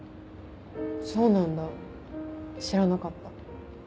そうなんだ知らなかった。